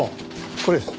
これです。